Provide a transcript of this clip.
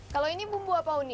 kalau ini bumbu apa uni